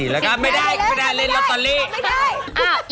๘๓๘๔แล้วก็ไม่ได้ไม่ได้เล่นลอตเตอรี่